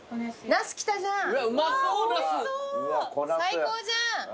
最高じゃん。